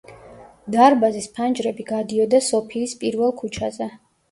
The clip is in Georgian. დარბაზის ფანჯრები გადიოდა სოფიის პირველ ქუჩაზე.